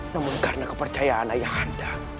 namun karena kepercayaan ayah anda